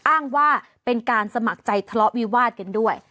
อ้างว่าเป็นการสมัครใจทะเลาะวิวาดกันด้วย